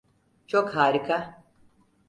Çok harika!